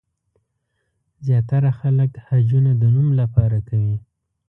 زیاتره خلک حجونه د نوم لپاره کوي.